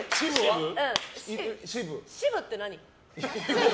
支部って何？